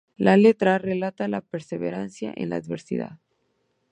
La letra relata la perseverancia en la adversidad.